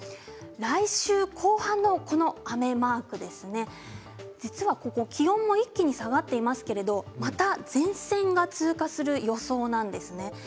来週後半、雨マークですね実は気温も一気に下がっていますがまた前線が通過する予想なんです。